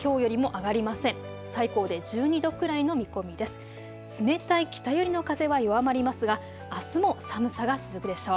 冷たい北寄りの風は弱まりますがあすも寒さが続くでしょう。